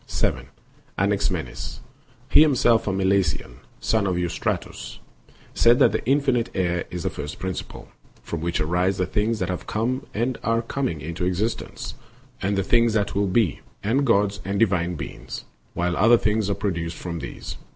560. Anaximenes, himself a Milesian, son of Eurystratos, said that infinite air is the first principle," from which arise the things that have come and are coming into existence, and the things that will be, and gods and divine beings, while other things are pro duced from these.